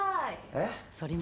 「えっ？」